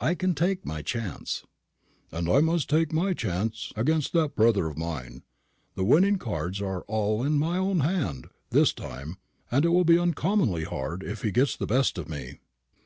"I can take my chance." "And I must take my chance against that brother of mine. The winning cards are all in my own hand this time, and it will be uncommonly hard if he gets the best of me."